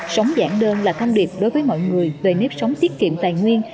sống giản đơn là thông điệp đối với mọi người về nếp sống tiết kiệm tài nguyên